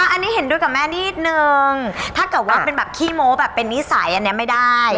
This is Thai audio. อันนี้เห็นด้วยกับแม่นิดนึงถ้าเกิดว่าเป็นแบบขี้โม้แบบเป็นนิสัยอันนี้ไม่ได้